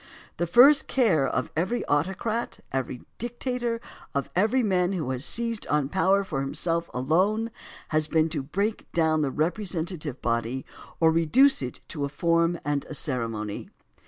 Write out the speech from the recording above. The first care of every autocrat, of every dictator, of every man who has seized on power for himself alone, has been to break down the represent ative body or to reduce it to a form and a ceremony.